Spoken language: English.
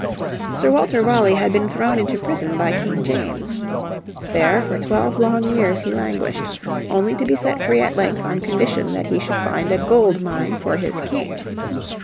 Sir Walter Raleigh had been thrown into prison by King James. There for twelve long years he languished, only to be set free at length on condition that he should find a gold mine for his King.